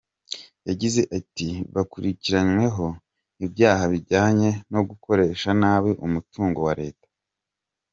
Yagize ati “Bakurikiranyweho ibyaha bijyanye no gukoresha nabi umutungo wa Leta.